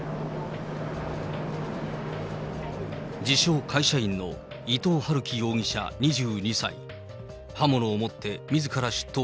自称会社員の伊藤龍稀容疑者２２歳。